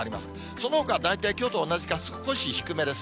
そのほかは大体きょうと同じか、少し低めです。